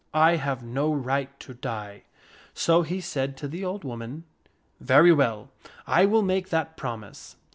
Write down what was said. I have no right to die." So he said to the old woman, 4< Very well, I will make that promise."